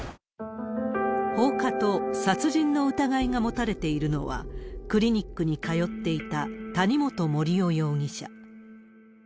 放火と殺人の疑いが持たれているのは、クリニックに通っていた谷本盛雄容疑者。